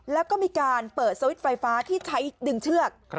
แล้วก็มีการเปิดสวิตช์ไฟฟ้าที่ใช้ดึงเชือก